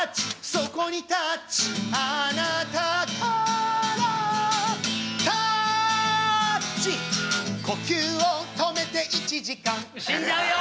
そこにタッチあなたからタッチ呼吸を止めて一時間死んじゃうよ！